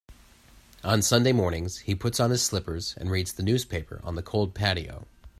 On Sunday mornings, he puts on his slippers and reads the newspaper on the cold patio.